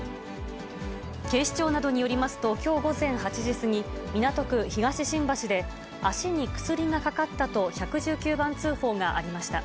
警視庁などによりますと、きょう午前８時過ぎ、港区東新橋で、足に薬がかかったと１１９番通報がありました。